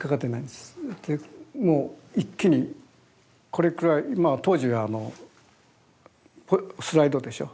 でもう一気にこれくらいまあ当時はあのスライドでしょ？